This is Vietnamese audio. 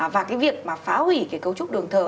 và cái việc mà phá hủy cái cấu trúc đường thờ